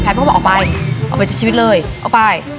ยังกลัวออกไป